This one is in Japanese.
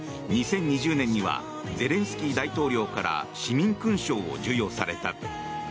２０２０年にはゼレンスキー大統領から市民勲章を授与された。